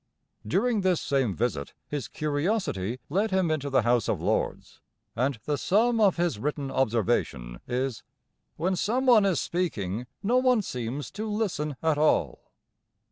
During this same visit his curiosity led him into the House of Lords, and the sum of his written observation is, "When someone is speaking no one seems to listen at all."